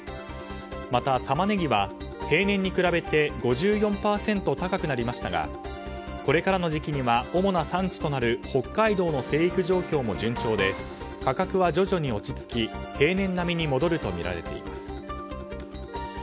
また、タマネギは平年に比べて５４％高くなりましたがこれからの時期には主な産地となる北海道の生育状況も順調で、価格は徐々に落ち着き平年並みに戻るとみられています。